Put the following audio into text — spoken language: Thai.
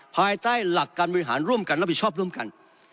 ภายใต้หลักการบริหารร่วมกันรับผิดชอบร่วมกัน